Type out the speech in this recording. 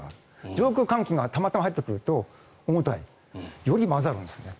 上空、寒気がたまたま入ってくると重たいより混ざるんですね。